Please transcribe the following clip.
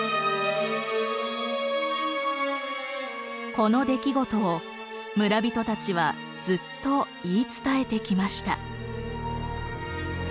この出来事を村人たちはずっと言い伝えてきました。